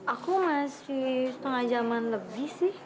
aku masih setengah jam an lebih sih